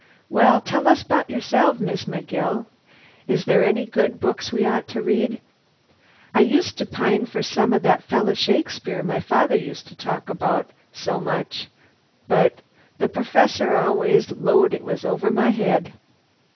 Well, tell us 'bout yerself, Miss McGill. Is there any good books we ought to read? I used to pine for some o' that feller Shakespeare my father used to talk about so much, but Perfessor always 'lowed it was over my head!"